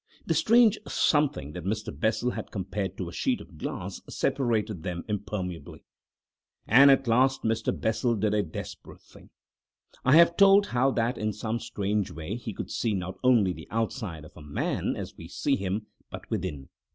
The strange something that Mr. Bessel has compared to a sheet of glass separated them impermeably. And at last Mr. Bessel did a desperate thing. I have told how that in some strange way he could see not only the outside of a man as we see him, but within.